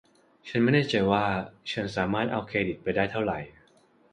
ฉันไม่แน่ใจว่าฉันสามารถเอาเครดิตไปได้เท่าไหร่